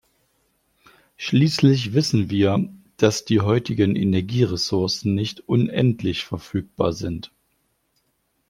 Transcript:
Schließlich wissen wir, dass die heutigen Energieressourcen nicht unendlich verfügbar sind.